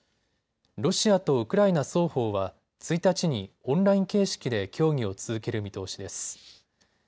ロシアとウクライナ双方は１日にオンライン形式で協議を続ける見通しです。